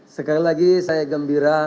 sekali lagi saya gembira